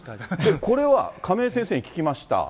これは亀井先生に聞きました。